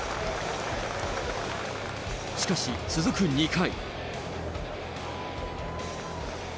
しかし続く２回。